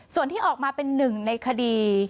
ส่วนที่ออกมาเป็นหนึ่งในคดี